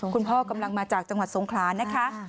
กำลังมาจากจังหวัดสงขลานะคะ